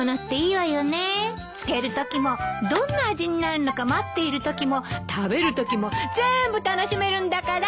漬けるときもどんな味になるのか待っているときも食べるときも全部楽しめるんだから。